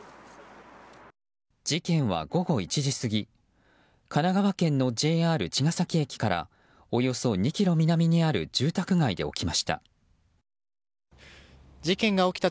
事件は午後１時過ぎ神奈川県のＪＲ茅ケ崎駅からおよそ２ｋｍ南にある住宅街で起きました。